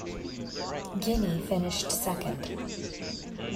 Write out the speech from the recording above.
Guinea finished second.